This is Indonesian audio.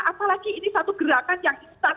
apalagi ini satu gerakan yang instan